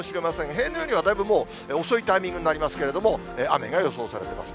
平年よりはだいぶもう、遅いタイミングになりますけれども、雨が予想されてます。